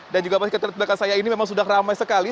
dan juga pasti ketika saya ini memang sudah ramai sekali